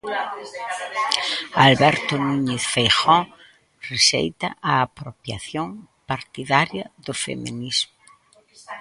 Alberto Núñez Feijóo rexeita a apropiación partidaria do feminismo.